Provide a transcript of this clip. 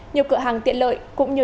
nhiều cửa hàng tiện lợi cũng như